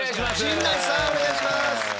陣内さんお願いします。